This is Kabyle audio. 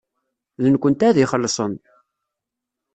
D nekkenti ad ixellṣen.